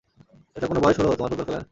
এটা কোন বয়স হলো তোমার ফুটবল খেলার?